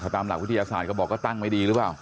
ถ้าตามหลักพิธีอาศาลก็ตั้งไม่ดีหรือเปล่า